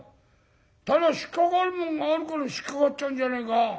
ただ引っ掛かるもんがあるから引っ掛かっちゃうんじゃねえか。